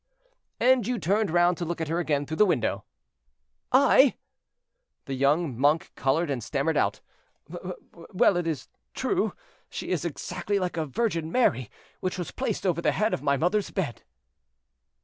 "And you turned round to look at her again through the window." "I!!!" The young monk colored and stammered out: "Well, it is true, she is exactly like a Virgin Mary which was placed over the head of my mother's bed."